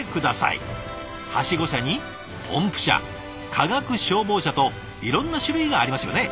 はしご車にポンプ車化学消防車といろんな種類がありますよね。